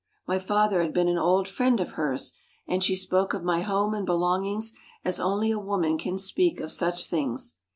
My father had been an old friend of hers, and she spoke of my home and belongings as only a woman can speak of such things.